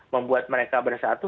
membuat mereka bersatu